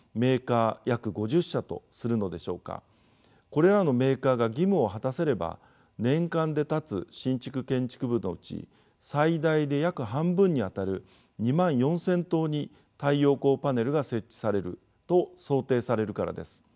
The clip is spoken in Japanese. これらのメーカーが義務を果たせれば年間で建つ新築建築物のうち最大で約半分にあたる２万４，０００棟に太陽光パネルが設置されると想定されるからです。